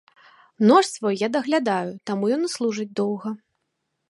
Нож свой я даглядаю, таму ён і служыць доўга.